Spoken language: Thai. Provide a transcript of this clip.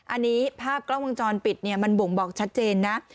อันนี้ภาพกล้องวงจรปิดเนี่ยมันบ่งบอกชัดเจนนะ